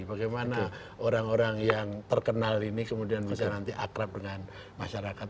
bagaimana orang orang yang terkenal ini kemudian bisa nanti akrab dengan masyarakat